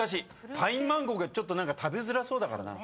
パインマンゴーがちょっと食べづらそうだからな。